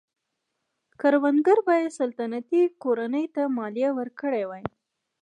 کروندګرو باید سلطنتي کورنۍ ته مالیه ورکړې وای.